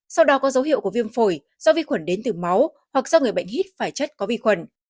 sau đó có dấu hiệu của viêm phổi do vi khuẩn đến từ máu hoặc do người bệnh hít phải chất có vi khuẩn